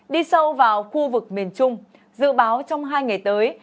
đi sâu vào khu vực miền trung dự báo trong hai ngày tới